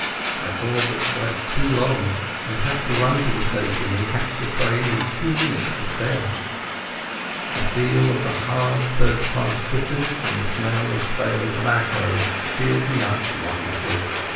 I all but slept too long, and had to run to the station and catch the train with two minutes to spare. The feel of the hard third class cushions and the smell of stale tobacco cheered me up wonderfully.